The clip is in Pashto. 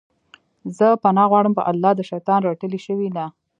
زه پناه غواړم په الله د شيطان رټلي شوي نه